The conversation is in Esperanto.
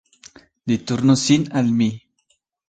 Li turnos sin al mi.